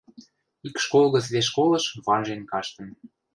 Ик школ гӹц вес школыш ванжен каштын.